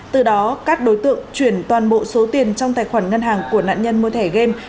từ đó các đối tượng chuyển toàn bộ số tiền trong tài khoản ngân hàng của nạn nhân mua thẻ game